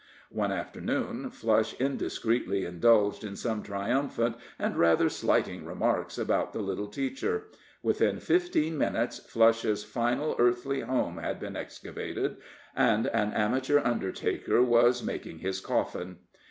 One afternoon, Flush indiscreetly indulged in some triumphant and rather slighting remarks about the little teacher. Within fifteen minutes, Flush's final earthly home had been excavated, and an amateur undertaker was making his coffin.